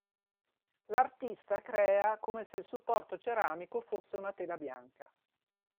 L'artista crea come se il supporto ceramico fosse una tela bianca.